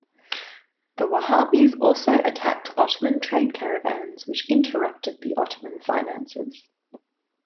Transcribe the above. The Wahhabis also attacked Ottoman trade caravans which interrupted the Ottoman finances.